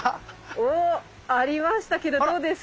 おっありましたけどどうですかね？